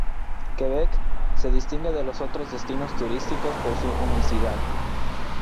Quebec se distingue de los otros destinos turísticos por su unicidad.